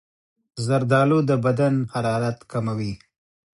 زردالو د بدن حرارت کموي.